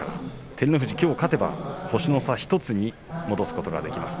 照ノ富士きょう勝てば星の差を１つに戻すことができます。